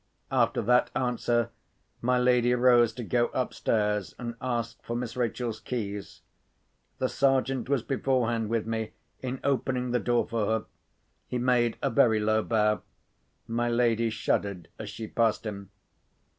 After that answer, my lady rose to go upstairs, and ask for Miss Rachel's keys. The Sergeant was beforehand with me in opening the door for her. He made a very low bow. My lady shuddered as she passed him.